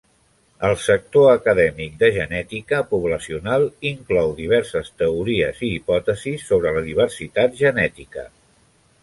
El sector acadèmic de genètica poblacional inclou diverses teories i hipòtesis sobre la diversitat genètica.